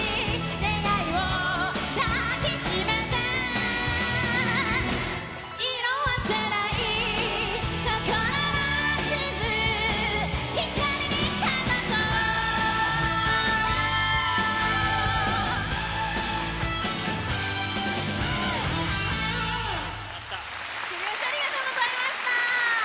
手拍子ありがとうございました。